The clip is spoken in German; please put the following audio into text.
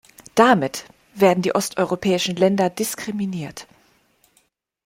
Damit werden die osteuropäischen Länder diskriminiert.